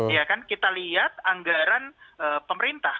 ya kan kita lihat anggaran pemerintah